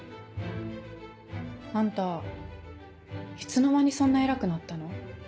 あんたいつの間にそんな偉くなったの？